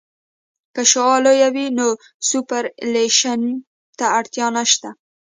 که شعاع لویه وي نو سوپرایلیویشن ته اړتیا نشته